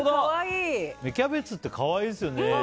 芽キャベツって可愛いですよね。